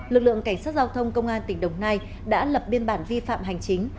lực lượng cảnh sát giao thông công an tỉnh đồng nai đã lập biên bản vi phạm hành chính